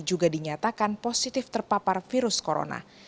juga dinyatakan positif terpapar virus corona